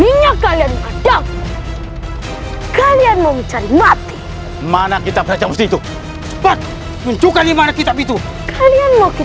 ilmu kanur agandaca itu seperti ini